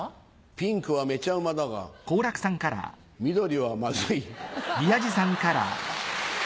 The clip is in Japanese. ピンクはめちゃうまだが緑はまずい。